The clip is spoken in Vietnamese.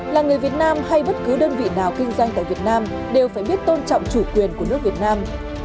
là người việt nam hay bất cứ đơn vị nào kinh doanh tại việt nam đều phải biết tôn trọng chủ quyền của nước việt nam